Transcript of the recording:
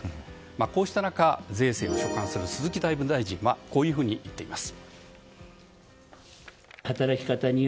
こうした中、税制を所管する鈴木財務大臣はこういうふうに言っています。